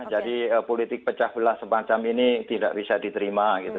jadi politik pecah belah semacam ini tidak bisa diterima gitu